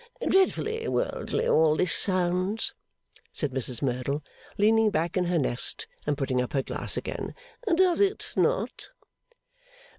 Dreadfully worldly all this sounds,' said Mrs Merdle, leaning back in her nest and putting up her glass again, 'does it not?